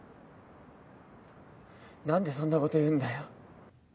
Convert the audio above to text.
何でそんなこと言うんだよ。